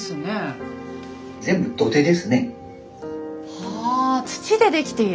はあ土で出来ている？